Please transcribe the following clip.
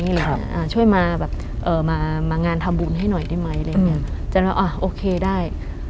อะไรครับอ่าช่วยมาแบบเอ่อมางานทำบุญให้หน่อยได้ไหมอะไรอย่างเงี้ยจันว่าอ่าโอเคได้